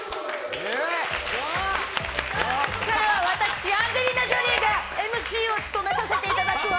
ここからは私アンジェリーナ・ジョリーがＭＣを務めさせていただくわ！